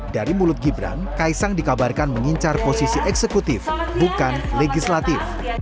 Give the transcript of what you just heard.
dari mulut gibran kaisang dikabarkan mengincar posisi eksekutif bukan legislatif